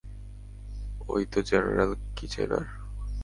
অইতো general Kitchener!